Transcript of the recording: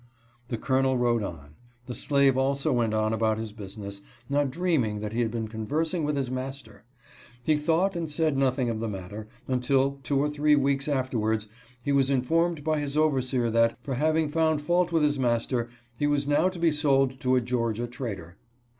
The Colonel rode on ; the slave also went on about his business, not dreaming that he had been conversing with his master. He thought and said nothing of the matter, until, two or three weeks after wards, he was informed by his overseer that, for having found fault with his master, he was now to be sold to a Georgia trader.